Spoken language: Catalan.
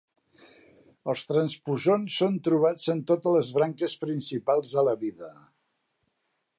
Els transposons són trobats en totes les branques principals de la vida.